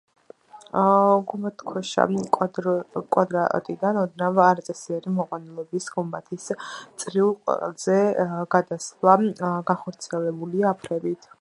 გუმბათქვეშა კვადრატიდან ოდნავ არაწესიერი მოყვანილობის გუმბათის წრიულ ყელზე გადასვლა განხორციელებულია აფრებით.